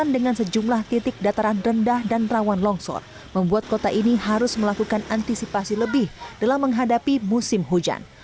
dengan sejumlah titik dataran rendah dan rawan longsor membuat kota ini harus melakukan antisipasi lebih dalam menghadapi musim hujan